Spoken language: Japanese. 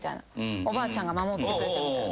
おばあちゃんが守ってくれてるみたいな。